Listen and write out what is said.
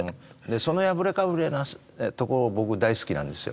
その破れかぶれなところ僕大好きなんですよ